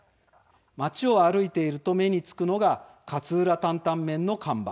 町を歩いていると目につくのが勝浦タンタンメンの看板。